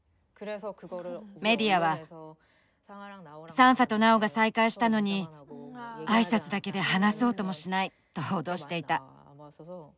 メディアは「サンファとナオが再会したのに挨拶だけで話そうともしない」と報道していた。